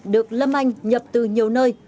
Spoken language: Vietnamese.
được lâm anh nhập từ nhiều nơi